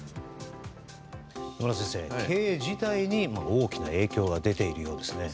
野村先生、経営自体に大きな影響が出ているようですね。